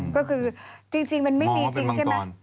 ก็คือจริงมันไม่มีจริงใช่ไหม